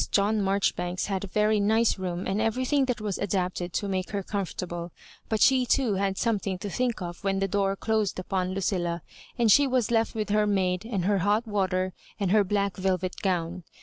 John Marjoribanks had a very nice room and everything that was adapted to make her comfortable; but she too had something to think of when the door closed upon Lucilla, and she was left with her maid and her hot water and her black velvet gown.